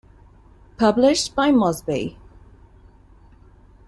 Published by Mosby.